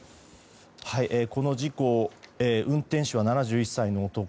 この事故運転手は７１歳の男。